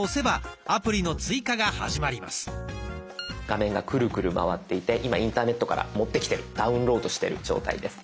画面がクルクル回っていて今インターネットから持ってきてるダウンロードしてる状態です。